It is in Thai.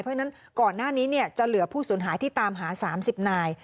เพราะฉะนั้นก่อนหน้านี้จะเหลือผู้สูญหายที่ตามหา๓๐นาย